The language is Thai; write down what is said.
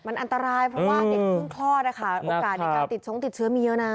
มันอันตรายเพราะว่าเด็กเพิ่งคลอดนะคะโอกาสในการติดชงติดเชื้อมีเยอะนะ